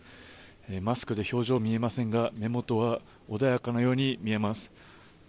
マスクで表情見えませんが目元は穏やかなように見えます。